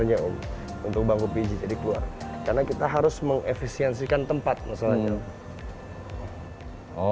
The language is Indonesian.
ini untuk luarnya jadi untuk bangku sebenarnya om untuk bangku pijit jadi keluar karena kita harus mengefisiensikan tempat masalahnya om